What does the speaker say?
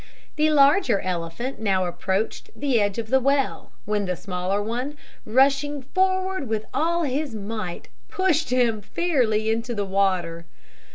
The larger elephant now approached the edge of the well, when the smaller one, rushing forward with all his might, pushed him fairly into the water.